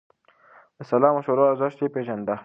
د سلا مشورو ارزښت يې پېژانده.